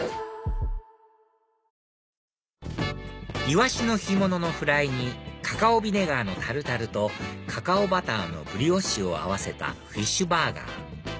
イワシの干物のフライにカカオビネガーのタルタルとカカオバターのブリオッシュを合わせたフィッシュバーガー